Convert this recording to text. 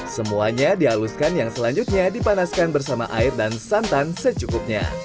semuanya dihaluskan yang selanjutnya dipanaskan bersama air dan santan secukupnya